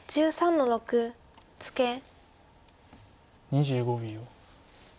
２５秒。